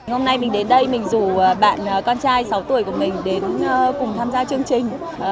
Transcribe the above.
hôm nay mình đến đây mình rủ bạn con trai sáu tuổi của mình đến cùng tham gia chương trình